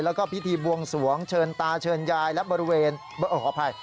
แล้วก็พิธีบวงสวงเชิญตาเชิญยายและบริเวณขออภัย